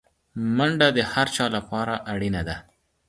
منډه د هر چا لپاره اړینه ده